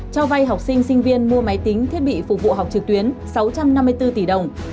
cho vay học sinh sinh viên mua máy tính thiết bị phục vụ học trực tuyến sáu trăm năm mươi bốn tỷ đồng